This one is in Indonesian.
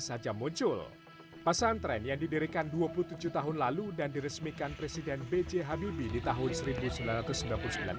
saja muncul pesantren yang didirikan dua puluh tujuh tahun lalu dan diresmikan presiden bj habibie di tahun